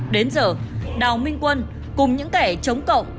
đến giờ đào minh quân cùng những kẻ chống cộng